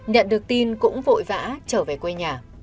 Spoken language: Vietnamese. nhận được tin cũng vội vã trở về quê nhà